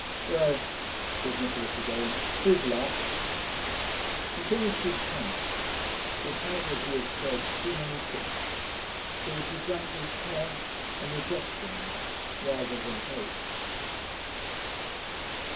'Well,' said Nicholas again, 'here's luck!' He finished his punch. It had, as he had said, too many pips, so that he drank with care and rejections rather than hope.